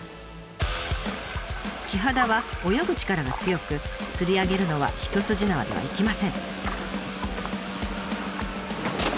キハダは泳ぐ力が強く釣り上げるのは一筋縄ではいきません。